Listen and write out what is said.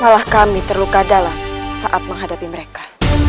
malah kami terluka dalam saat menghadapi mereka